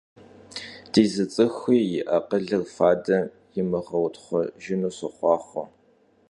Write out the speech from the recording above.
Di zı ts'ıxui yi akhılır fadem yimığeutxhujjınu soxhuaxhue!